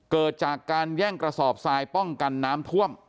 เกิดจากการแย่งกระสอบทรายป้องกันน้ำท่วม